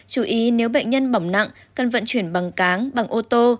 chú ý nếu bệnh nhân bỏng nặng cần vận chuyển bằng cáng bằng ô tô